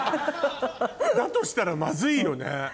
だとしたらマズいよね？